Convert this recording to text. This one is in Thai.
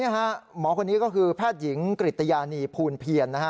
หมอคนนี้ก็คือแพทย์หญิงกริตยานีภูลเพียรนะฮะ